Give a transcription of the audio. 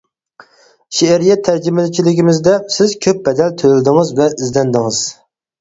شېئىرىيەت تەرجىمىچىلىكىمىزدە سىز كۆپ بەدەل تۆلىدىڭىز ۋە ئىزدەندىڭىز.